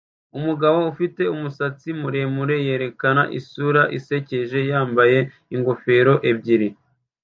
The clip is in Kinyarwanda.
Umugabo ufite umusatsi muremure yerekana isura isekeje yambaye ingofero ebyiri